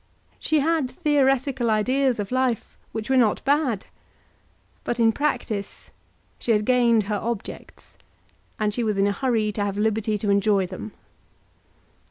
She had theoretical ideas of life which were not bad, but in practice, she had gained her objects, and she was in a hurry to have liberty to enjoy them.